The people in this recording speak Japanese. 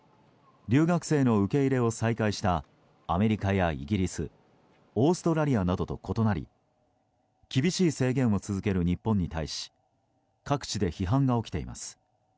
留学生の受け入れを再開したアメリカやイギリスオーストラリアなどと異なり厳しい制限を続ける日本に対し各地で批判が起きています。